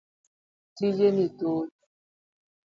Tije ni thoth.